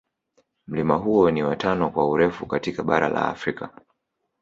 Mlima huo ni wa tano kwa urefu katika bara la Afrika